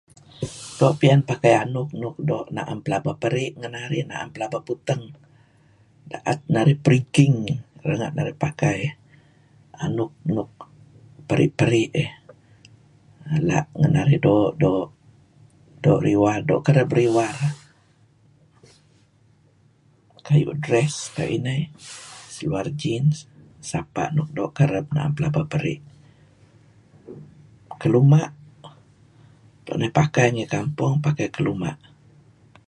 Doo' piyan pakai anuk nuk na'em pelaba peri' ngen narih, na'em pelaba puteng, da'et narih periking renga' narih pakai eh anuk nuk peri-peri' eh. La' ngen narih doo'-doo' riwar, doo' kereb riwar kayu' dress kayu' ineh, seluar jeans, sapa' nuk doo' kereb na'em pelaba peri'. Keluma' tu'en narih pakai ngi kampong, pakai keluma'.